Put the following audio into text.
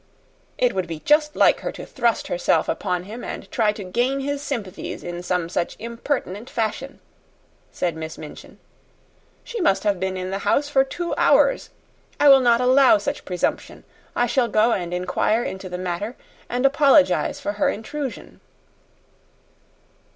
"It would be just like her to thrust herself upon him and try to gain his sympathies in some such impertinent fashion," said Miss Minchin. "She must have been in the house for two hours. I will not allow such presumption. I shall go and inquire into the matter, and apologize for her intrusion."